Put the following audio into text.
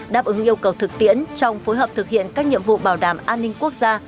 đáp ứng yêu cầu thực tiễn trong phối hợp thực hiện các nhiệm vụ bảo đảm an ninh quốc gia